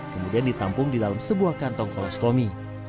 kemudian ditampung di dalam sebuah kantong kolostomi